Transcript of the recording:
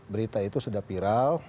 berita itu sudah viral